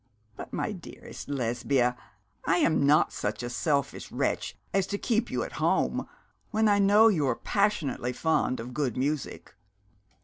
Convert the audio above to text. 'But, my dearest Lesbia, I am not such a selfish wretch as to keep you at home, when I know you are passionately fond of good music.